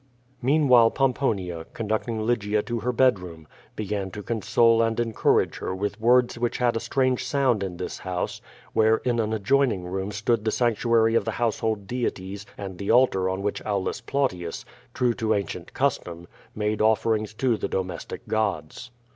Meanwliilc, Pomponia, conducting Lygia to her bed room, began to console and encourage her with words which had a strange sound in this house, where in an adjoining room stood the sanctuary of the household deities and the altar on wJiich Aulus Plautius, true to ancient custom, made offerings to the domestic gods.